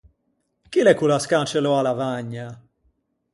Chi l’é ch’o l’à scancellou a lavagna?